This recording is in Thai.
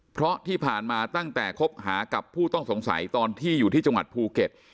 เพราะที่ผ่านมาตั้งแต่คบหากับผู้ต้องสงสัยตอนที่อยู่ที่จังหวัดภูเก็ต